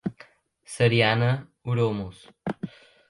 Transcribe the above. Saariana, oromos